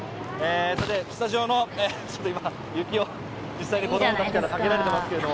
スタジオの、今、雪を実際に子供たちからかけられていますが。